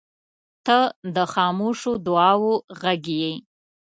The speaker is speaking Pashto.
• ته د خاموشو دعاوو غږ یې.